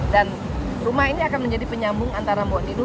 dan rumah ini akan menjadi penyambung antara mbok milo